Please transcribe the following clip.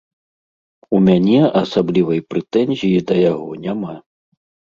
У мяне асаблівай прэтэнзіі да яго няма.